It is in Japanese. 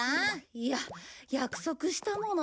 いや約束したもの。